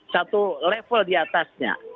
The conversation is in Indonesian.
satu level diatasnya